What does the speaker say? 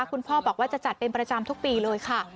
คุณพ่อบอกว่าจะจัดเป็นประจำทุกปีเลยค่ะ